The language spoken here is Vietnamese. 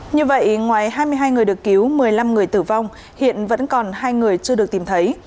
như vậy ngoài hai mươi hai người được cứu một mươi năm người tử vong hiện vẫn còn hai người chưa được tìm thấy